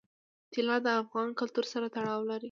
طلا د افغان کلتور سره تړاو لري.